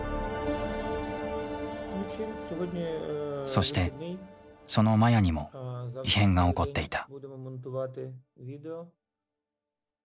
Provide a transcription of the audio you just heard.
そしてそのマヤにも異変が起こっていた。